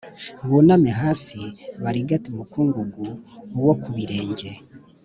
buname hasi barigate umukungugu wo ku birenge